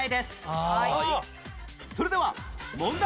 それでは問題